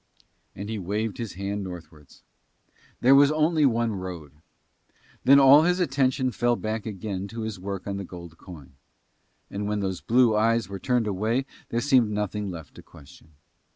And he waved his hand northwards. There was only one road. Then all his attention fell back again to his work on the gold coin; and when those blue eyes were turned away there seemed nothing left to question.